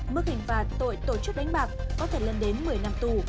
mức hình phạt tội tổ chức đánh bạc có thể lên đến một mươi năm tù